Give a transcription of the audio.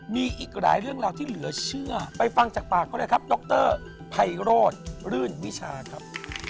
มีอีกหลายเรื่องราวที่เหลือเชื่อไปฟังจากปากเขาเลยครับดรไพโรธรื่นวิชาครับ